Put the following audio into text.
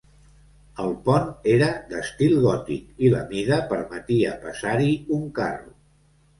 El pont era d'estil gòtic i la mida permetia passar-hi un carro.